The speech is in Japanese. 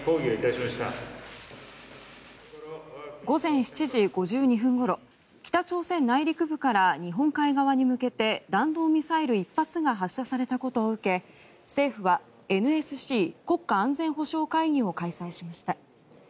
午前７時５２分ごろ北朝鮮内陸部から日本海側に向けて弾道ミサイル１発が発射されたことを受け政府はＮＳＣ・国家安全保障会議を開催しました。